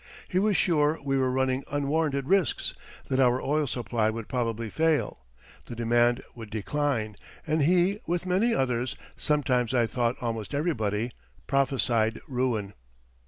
He was sure we were running unwarranted risks, that our oil supply would probably fail, the demand would decline, and he, with many others, sometimes I thought almost everybody, prophesied ruin.